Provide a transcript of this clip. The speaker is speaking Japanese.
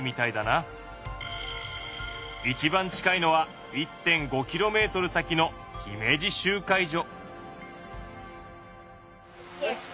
一番近いのは１．５キロメートル先の姫路集会所。